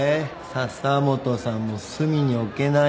笹本さんも隅に置けないな。